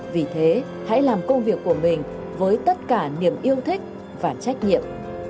vì thế hãy làm công việc của mình với tất cả niềm yêu thích và trách nhiệm